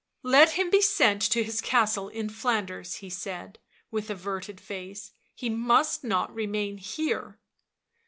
" Let him be sent to his castle in Flanders," he said, with averted face. " He must not remain here."